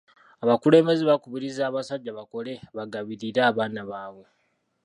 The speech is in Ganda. Abakulembeze bakubiriza abasajjaa bakole bagabirire abaana baabwe.